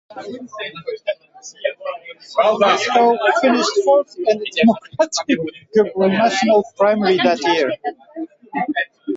Briscoe finished fourth in the Democratic gubernatorial primary that year.